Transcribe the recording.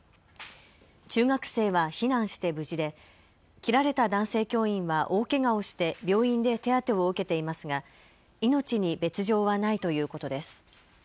中学生は避難して無事で切られた男性教員は大けがをして病院で手当てを受けていますが命に別状はないということです。